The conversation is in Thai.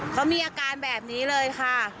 เขามีอาการแบบนี้เลยค่ะ